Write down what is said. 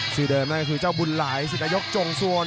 ชื่อเดิมนั่นก็คือเจ้าบุญหลายสิบนายกจงสวน